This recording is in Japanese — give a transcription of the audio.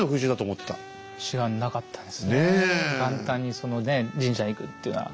元旦にその神社に行くっていうのは。